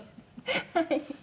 はい。